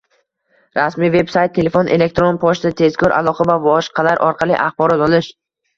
rasmiy veb-sayt, telefon, elektron pochta, tezkor aloqa va boshqalar orqali axborot olish;